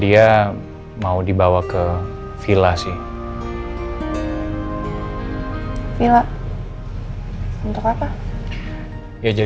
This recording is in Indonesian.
dia mau dibawa ke villa sih